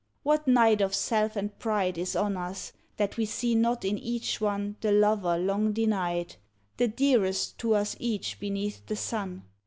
What night of self and pride Is on us, that we see not in each one The lover long denied, The dearest to us each beneath the sun?